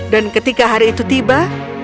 dan ketika hari itu tiba